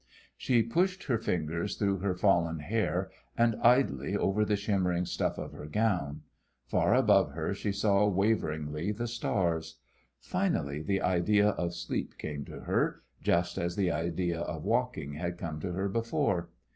She pushed her fingers through her fallen hair, and idly over the shimmering stuff of her gown. Far above her she saw waveringly the stars. Finally the idea of sleep came to her, just as the idea of walking had come to her before.